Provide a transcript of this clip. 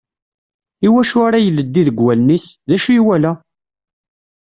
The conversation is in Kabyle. I wacu ara ileddi deg wallen-is? D ucu i yewala?